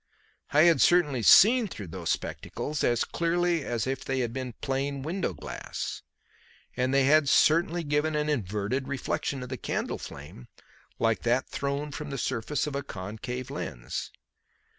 I had certainly seen through those spectacles as clearly as if they had been plain window glass; and they had certainly given an inverted reflection of the candle flame like that thrown from the surface of a concave lens.